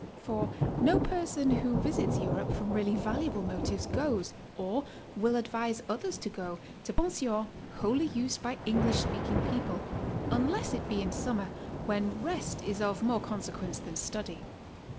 For no person who visits Europe from really valuable motives goes or will advise others to go to pensions wholly used by English speaking people, unless it be in summer, when rest is of more consequence than study.